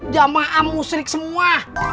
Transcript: jamaah musrik semua